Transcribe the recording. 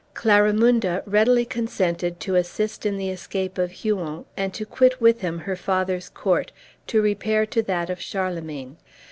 Clarimunda readily consented to assist in the escape of Huon, and to quit with him her father's court to repair to that of Charlemagne.